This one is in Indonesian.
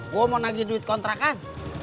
gue mau nagih duit kontra kan